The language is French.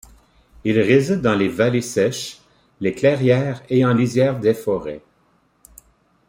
Il réside dans les vallées sèches, les clairières et en lisière des forêts.